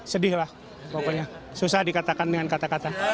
sedih lah pokoknya susah dikatakan dengan kata kata